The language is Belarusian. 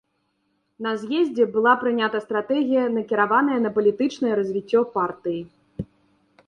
На з'ездзе была прынята стратэгія накіраваная на палітычнае развіццё партыі.